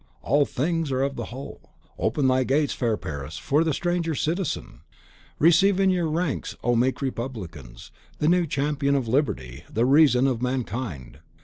All things are of the whole! Open thy gates, fair Paris, for the stranger citizen! Receive in your ranks, O meek Republicans, the new champion of liberty, of reason, of mankind!